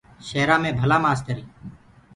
شيرآنٚ مي ڀلآ مآستر هينٚ۔